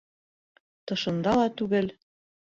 Тышында ла түгел.